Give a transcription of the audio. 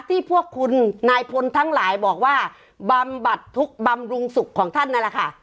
ที่พวกคุณนายพลทั้งหลายบอกว่าบำบัดทุกข์บำรุงสุขของท่านนั่นแหละค่ะ